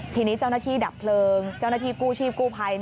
ทีนี้เจ้าหน้าที่ดับเพลิงเจ้าหน้าที่กู้ชีพกู้ภัย